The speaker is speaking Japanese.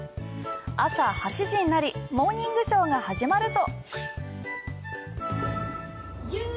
朝８時になり「モーニングショー」が始まると。